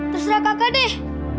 terserah kakak deh